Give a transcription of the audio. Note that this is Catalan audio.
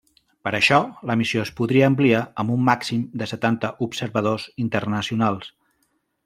Per això, la missió es podria ampliar amb un màxim de setanta observadors internacionals.